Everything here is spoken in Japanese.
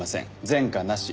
前科なし。